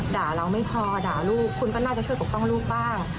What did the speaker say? เราไม่พอด่าลูกคุณก็น่าจะช่วยปกป้องลูกบ้าง